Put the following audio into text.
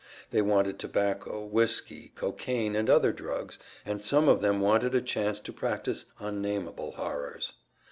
They wanted tobacco, whiskey, cocaine and other drugs, and some of them wanted a chance to practice unnamable horrors.